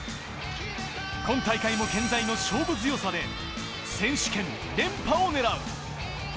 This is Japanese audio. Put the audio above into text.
今大会も健在の勝負強さで選手権連覇を狙う。